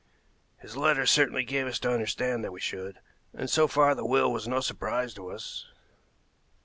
"His letters certainly gave us to understand that we should, and so far the will was no surprise to us."